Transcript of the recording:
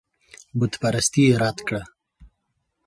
بتپرستي یې رد کړه.